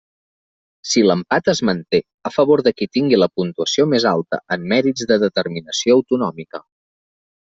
Si l'empat es manté, a favor de qui tingui la puntuació més alta en mèrits de determinació autonòmica.